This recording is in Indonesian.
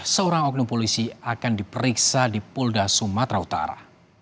seorang oknum polisi akan diperiksa di polda sumatera utara